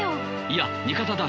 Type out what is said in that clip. いや味方だ。